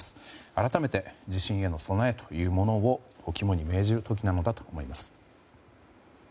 改めて地震への備えというものを肝に銘じる時なのかと思います。